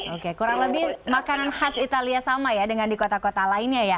oke kurang lebih makanan khas italia sama ya dengan di kota kota lainnya ya